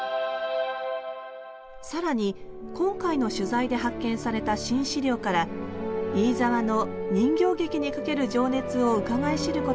更に今回の取材で発見された新資料から飯沢の人形劇にかける情熱をうかがい知ることができます。